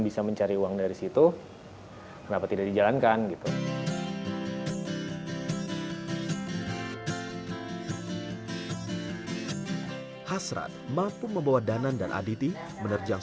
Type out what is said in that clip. bisa mencari uang dari situ kenapa tidak dijalankan gitu hasrat mampu membawa danan dan aditi menerjang